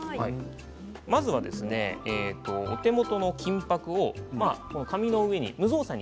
まずはお手元の金ぱくを紙の上に無造作に。